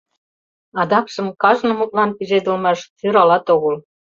Адакшым кажне мутлан пижедылмаш сӧралат огыл.